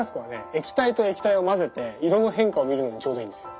液体と液体を混ぜて色の変化を見るのにちょうどいいんですよ。